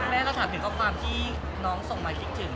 แม่ก็ถามถึงข้อความที่น้องส่งมาคิดถึง